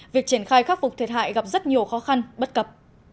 việc triển khai khắc phục thiệt hại gặp rất nhiều khó khăn bất cập